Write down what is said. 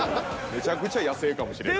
めちゃくちゃ野生かもしれない。